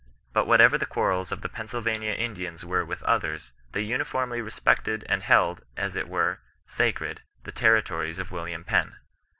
^ But whatever the quarrels of the Pennsylvanian Indians were with others, they uniformly respected and held, as it were, sacred, the territories of William Penn.'